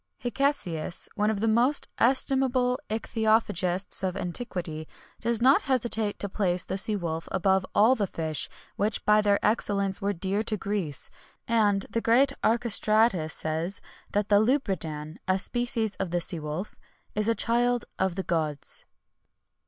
Hicesius, one of the most estimable ichthyophagists of antiquity, does not hesitate to place the sea wolf above all the fish which by their excellence were dear to Greece;[XXI 83] and the great Archestratus says, that the lubridan (a species of the sea wolf) is a child of the gods.